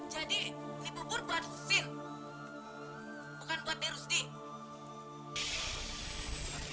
jadi ini bubur buat sini